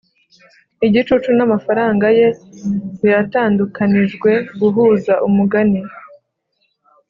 igicucu namafaranga ye biratandukanijwe guhuza umugani